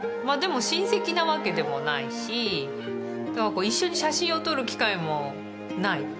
まあでも親戚なわけでもないし一緒に写真を撮る機会もない。